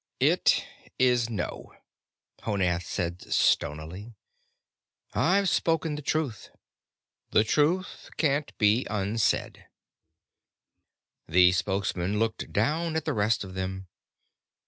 "It is No," Honath said stonily. "I've spoken the truth. The truth can't be unsaid." The Spokesman looked down at the rest of them.